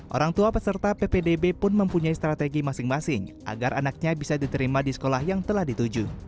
orang tua peserta ppdb pun mempunyai strategi masing masing agar anaknya bisa diterima di sekolah yang telah dituju